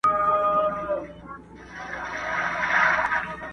o بېزاره دي له خيره، سپي دي در گرځوه٫